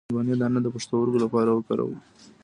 د هندواڼې دانه د پښتورګو لپاره وکاروئ